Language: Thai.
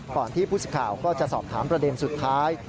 ที่ผู้สิทธิ์ข่าวก็จะสอบถามประเด็นสุดท้าย